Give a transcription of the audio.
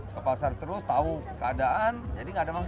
ke pasar terus tahu keadaan jadi nggak ada masalah